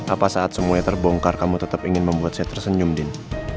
apa saat semuanya terbongkar kamu tetap ingin membuat saya tersenyum din